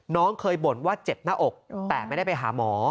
น้องเคยบ่นว่าเจ็บหน้าอกแต่ไม่ได้ไปหาหมอ